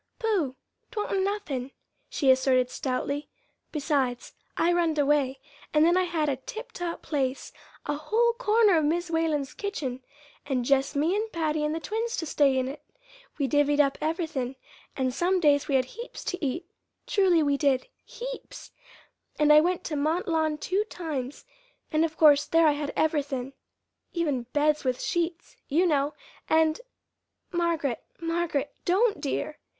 "Pooh! 'twa'n't nothin'," she asserted stoutly; "besides, I runned away, and then I had a tiptop place a whole corner of Mis' Whalen's kitchen, and jest me and Patty and the twins to stay in it. We divvied up everythin', and some days we had heaps to eat truly we did heaps! And I went to Mont Lawn two times, and of course there I had everythin', even beds with sheets, you know; and " "Margaret, Margaret, don't, dear!"